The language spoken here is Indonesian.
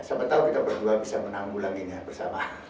sama tahu kita berdua bisa menanggulanginya bersama